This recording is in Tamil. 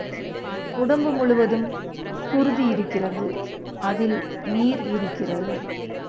உடம்பு முழு வதும் குருதி இருக்கிறது அதில் நீர் இருக்கிறது.